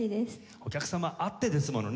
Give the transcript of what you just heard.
お客様あってですものね